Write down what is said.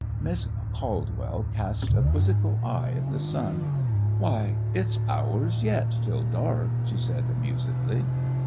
Miss Caldwell cast a quizzical eye at the sun. "Why, it's hours yet till dark!" she said, amusedly.